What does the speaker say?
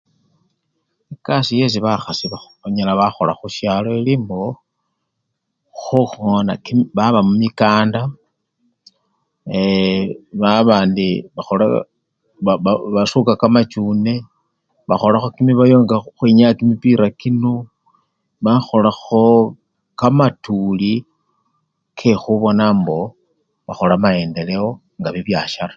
Ekasii yesi bakhasi bakho! banyala bakhola khusyalo, elimbo khungona! baba mumikanda ee! baba indi ekho! ba! basuka kamachune, bakholakho kimibayo nga khukhwinyaya kimipira kino, bakholakho kamatuli kekhubona mbo bakhola maendeleo nga bibyasare.